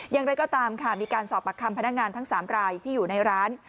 อย่างไรก็ตามค่ะมีการสอบปากคำพนักงานทั้ง๓รายที่อยู่ในร้าน